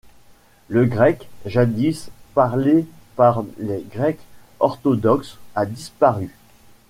Le grec, jadis parlé par les Grecs Orthodoxes, a disparu.